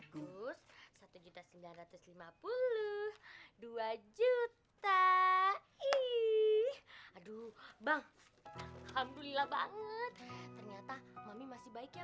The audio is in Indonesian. hai kau milikku seribu sembilan ratus lima puluh dua juta ih aduh bang alhamdulillah banget ternyata mami masih baik